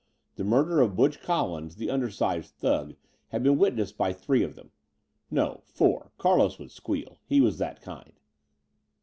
The murder of Butch Collins, the undersized thug, had been witnessed by three of them. No, four: Carlos would squeal. He was that kind.